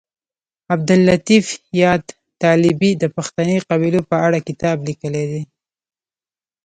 عبداللطیف یاد طالبي د پښتني قبیلو په اړه کتاب لیکلی دی